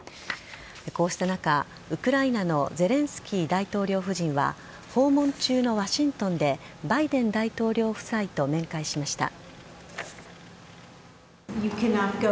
こうした中ウクライナのゼレンスキー大統領夫人は訪問中のワシントンでバイデン大統領夫妻と面会しました。